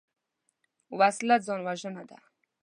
وسله ځان وژنه ده